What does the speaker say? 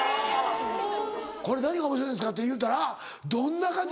「これ何がおもしろいんですか」って言うたらどんな感じに。